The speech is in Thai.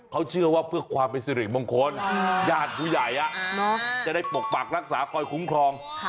เขาเชื่อว่าเพื่อความเป็นสิริมงคลญาติผู้ใหญ่จะได้ปกปักรักษาคอยคุ้มครอง